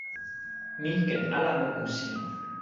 mi ken ala moku sin.